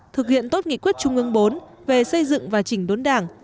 thực hiện tốt nghị quyết trung ương bốn về xây dựng và chỉnh đốn đảng